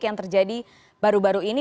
yang terjadi baru baru ini